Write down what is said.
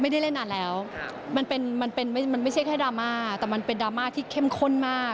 ไม่ได้เล่นนานแล้วมันเป็นมันเป็นไม่ใช่แค่ดราม่าแต่มันเป็นดราม่าที่เข้มข้นมาก